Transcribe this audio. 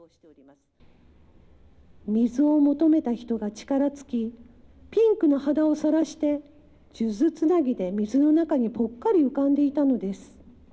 水を求めた人が力尽き、ピンクの肌をさらして、数珠つなぎで水の中にぽっかり浮かんでいたのです。